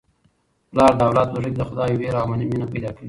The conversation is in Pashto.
پلار د اولاد په زړه کي د خدای وېره او مینه پیدا کوي.